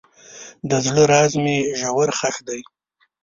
د زړه راز مې ژور ښخ دی.